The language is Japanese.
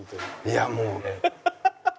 いやもう。